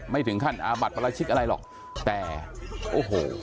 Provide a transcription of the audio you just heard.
ไม่ถึงขั้นอาบัติประราชิกอะไรหรอกแต่โอ้โห